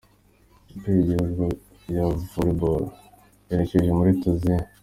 Ikipe y’igihugu ya Voreboro yerekeje muri Tuniziya